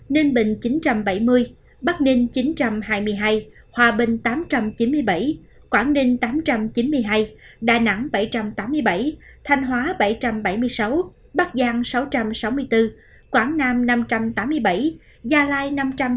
ninh bình chín trăm bảy mươi bắc ninh chín trăm hai mươi hai hòa bình tám trăm chín mươi bảy quảng ninh tám trăm chín mươi hai đà nẵng bảy trăm tám mươi bảy thanh hóa bảy trăm bảy mươi sáu bắc giang sáu trăm sáu mươi bốn quảng nam năm trăm tám mươi bảy gia lai năm trăm linh